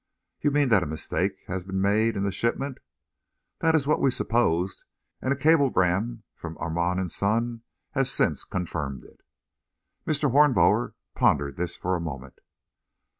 "You mean that a mistake had been made in the shipment?" "That is what we supposed, and a cablegram from Armand & Son has since confirmed it." Mr. Hornblower pondered this for a moment.